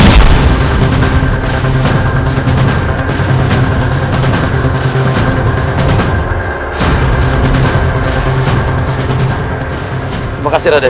terima kasih raden